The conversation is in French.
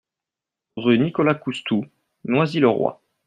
Rue Nicolas Coustou, Noisy-le-Roi